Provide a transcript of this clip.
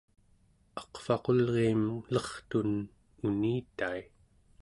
aqvaqulriim lertun unitai